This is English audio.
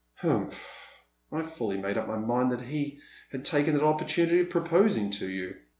" Humph ! I fully made up my mind that he had taken that opportunity of proposing to you."